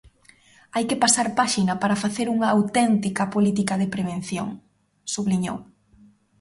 "Hai que pasar páxina para facer unha auténtica política de prevención", subliñou.